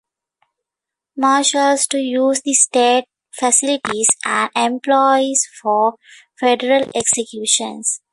Marshals to use state facilities and employees for federal executions.